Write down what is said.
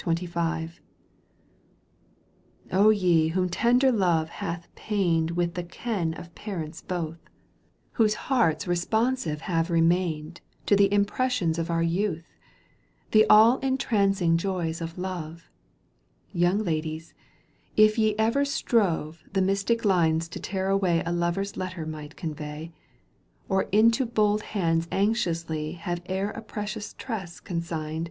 — XXV. ye whom tender love hath pained * Without the ken of parents both, Digitized by VjOOQ 1С 80 EUGENE ON^GUINE. canto ш. Whose hearts responsive have remained To the impressions of our youth, The all entrancing joys of love — Young ladies, if ye ever strove The mystic lines to tear away A lover's letter might convey, Or into bold hands anxiously Have e'er a precious tress consigned.